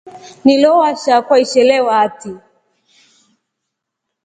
Nilo washa kwa ishelewa atri.